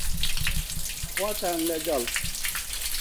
خواتان لەگەڵ